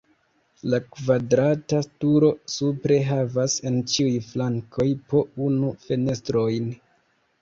La kvadrata turo supre havas en ĉiuj flankoj po unu fenestrojn.